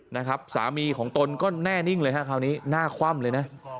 นะครับสามีของตนก็แน่นิ่งเลยฮะคราวนี้หน้าคว่ำเลยนะ